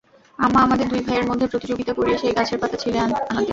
আম্মা আমাদের দুই ভাইয়ের মধ্যে প্রতিযোগিতা করিয়ে সেই গাছের পাতা ছিঁড়ে আনাতেন।